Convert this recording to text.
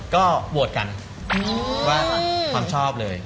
ก็โหวตกันว่าความชอบเลย